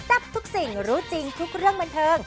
ทับทุกสิ่งรู้จริงทุกเรื่องบันเทิง